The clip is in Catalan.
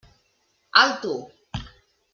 Alto!